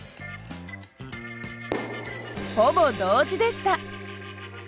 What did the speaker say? ほぼ同時でした。